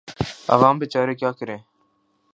عوام بیچارے کیا کریں۔